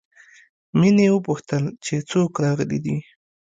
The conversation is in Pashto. مينې وپوښتل چې څوک راغلي دي